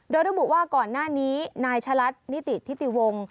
โดยระบุว่าก่อนหน้านี้นายชะลัดนิติธิติวงศ์